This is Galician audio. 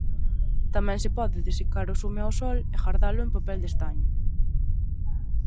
Tamén se pode desecar o zume ao sol e gardalo en papel de estaño".